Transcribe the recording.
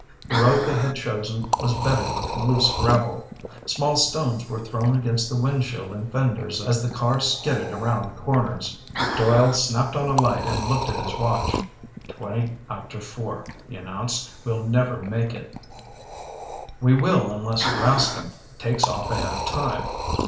The road they had chosen was bedded with loose gravel. Small stones were thrown against the windshield and fenders as the car skidded around corners. Doyle snapped on a light and looked at his watch. "Twenty after four," he announced. "We'll never make it." "We will unless Rascomb takes off ahead of time!"